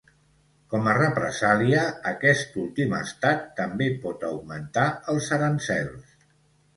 Com a represàlia, aquest últim estat també pot augmentar els aranzels.